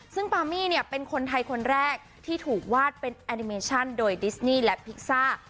ซึ่งปามี่เนี่ยเป็นคนไทยคนแรกที่ถูกวาดเป็นแอนิเมชั่นโดยดิสนี่และพิซซ่า